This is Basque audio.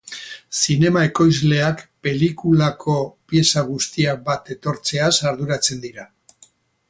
Zinema ekoizleak pelikulako pieza guztiak bat etortzeaz arduratzen dira.